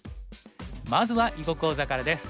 まずは囲碁講座からです。